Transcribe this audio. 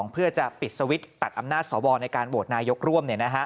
เพื่อจะปิดสวิตช์ตัดอำนาจสวในการโหวตนายกร่วม